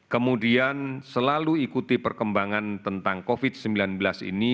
kemudian selalu ikuti perkembangan tentang covid sembilan belas ini